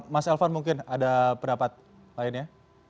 mas elvan mungkin ada pendapat lainnya